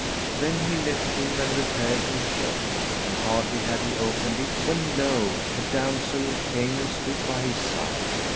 Then he left him and repaired to his shop; and hardly had he opened it, when lo! the damsel came and stood by his side.